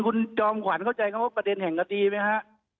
คุณจอมขวัญเข้าใจคำว่าประเด็นแห่งคดีไหมฮะ